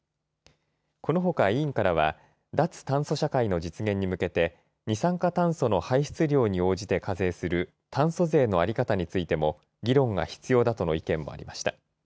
このほか委員からは脱炭素社会の実現に向けて二酸化炭素の排出量に応じて課税する炭素税の在り方についても議論が必要だとの意見もありました。